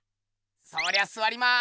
そりゃすわります。